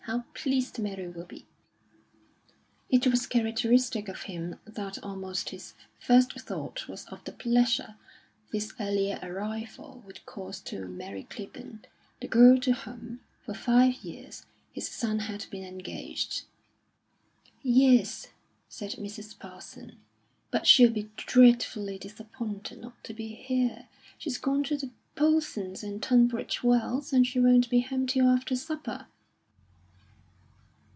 "How pleased Mary will be!" It was characteristic of him that almost his first thought was of the pleasure this earlier arrival would cause to Mary Clibborn, the girl to whom, for five years, his son had been engaged. "Yes," said Mrs. Parson, "but she'll be dreadfully disappointed not to be here; she's gone to the Polsons in Tunbridge Wells, and she won't be home till after supper."